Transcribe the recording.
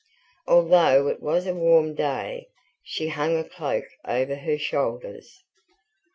Although it was a warm day, she hung a cloak over her shoulders.